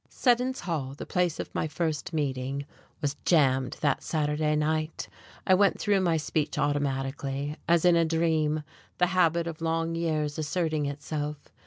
Seddon's Hall, the place of my first meeting, was jammed that Saturday night. I went through my speech automatically, as in a dream, the habit of long years asserting itself.